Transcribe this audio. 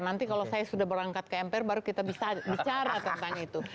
nanti kalau saya sudah berangkat ke mpr baru kita bisa bicara tentang itu